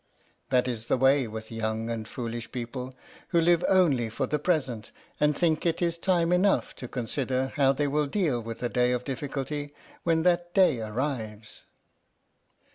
That is the way with young and foolish people who live only for the present and think it is time enough to consider how they will deal with a day of difficulty when that day arrives.